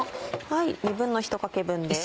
１／２かけ分です。